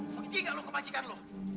bagi gak lo ke majikan lo